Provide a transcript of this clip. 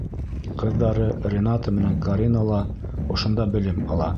Ҡыҙҙары Рената менән Карина ла ошонда белем ала.